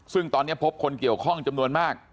ซึ่งตอนนี้พบคนเกี่ยวข้องจำนวนมาก